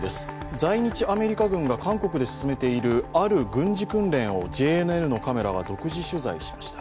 在日アメリカ軍が韓国で進めているある軍事訓練をＪＮＮのカメラが独自取材しました。